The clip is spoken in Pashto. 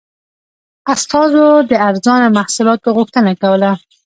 استازو د ارزانه محصولاتو غوښتنه کوله.